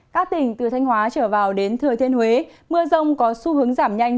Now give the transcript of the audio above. các tỉnh từ thanh hóa trở vào đến thừa thiên huế mưa rông có xu hướng giảm nhanh